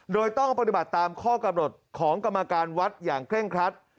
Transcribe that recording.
โดยต้องปฏิบัติตามข้อกำหนดของกรรมการวัดอย่างเคร่งครัด